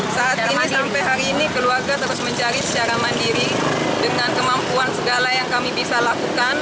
saat ini sampai hari ini keluarga terus mencari secara mandiri dengan kemampuan segala yang kami bisa lakukan